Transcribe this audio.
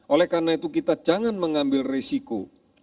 oleh karena itu kita jangan mengambil resiko